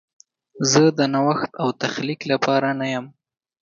زه د نوښت او تخلیق لپاره نه یم.